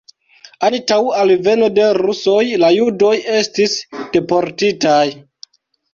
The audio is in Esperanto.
Antaŭ alveno de rusoj la judoj estis deportitaj.